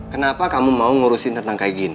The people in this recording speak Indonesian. kenapa kamu mau ngurusin tentang kayak gini